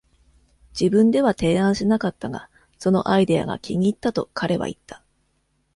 自分では提案しなかったが、そのアイデアが気に入ったと彼は言った。